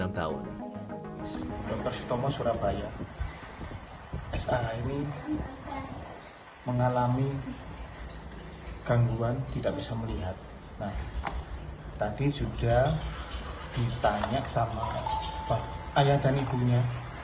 rumah surabaya mengalami gangguan tidak bisa melihat tadi sudah ditanya sama ayah dan ibunya